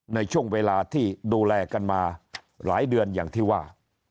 ในช่วงเวลาที่ดูแลกันมาหลายเดือนอย่างที่ว่า